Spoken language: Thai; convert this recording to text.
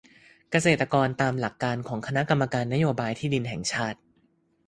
เกษตรกรตามหลักการของคณะกรรมการนโยบายที่ดินแห่งชาติ